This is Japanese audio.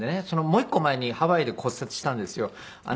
もう一個前にハワイで骨折したんですよ。